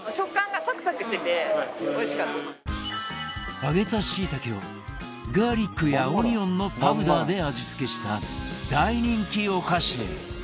揚げたしいたけをガーリックやオニオンのパウダーで味付けした大人気お菓子